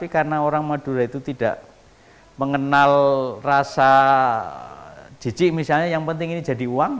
karena orang madura itu tidak mengenal rasa jijik misalnya yang penting ini jadi uang